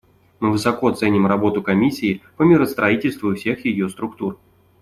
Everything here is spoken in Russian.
Мы высоко ценим работу Комиссии по миростроительству и всех ее структур.